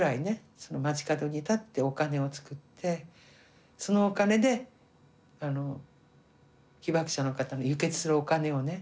その街角に立ってお金を作ってそのお金で被爆者の方の輸血するお金をね